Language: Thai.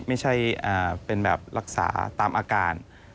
ไม่ใช่เป็นแบบรักษาตามอาการ